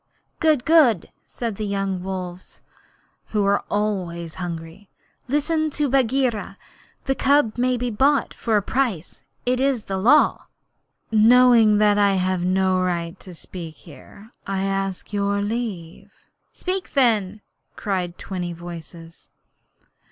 'Good! good!' said the young wolves, who are always hungry. 'Listen to Bagheera. The cub can be bought for a price. It is the Law.' 'Knowing that I have no right to speak here, I ask your leave.' 'Speak then,' cried twenty voices.